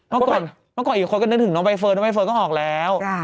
เมื่อก่อนเมื่อก่อนอีกคนก็นึกถึงน้องใบเฟิร์นน้องใบเฟิร์นก็ออกแล้ว